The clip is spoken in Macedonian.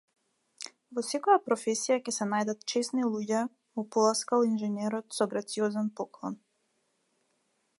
Во секоја професија ќе се најдат чесни луѓе му поласкал инженерот со грациозен поклон.